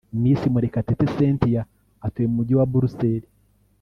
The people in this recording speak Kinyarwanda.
Miss Murekatete Cynthia atuye mu Mujyi wa Buruseli